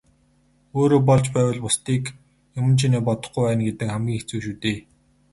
Өөрөө болж байвал бусдыг юман чинээ бодохгүй байна гэдэг хамгийн хэцүү шүү дээ.